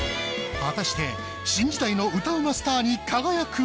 果たして新時代の歌うまスターに輝くのは。